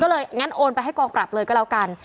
ก็เลยงั้นโอนไปให้กองปรับเลยก็แล้วกัน